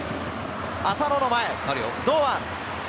浅野の前、堂安。